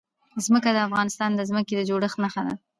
ځمکه د افغانستان د ځمکې د جوړښت نښه ده.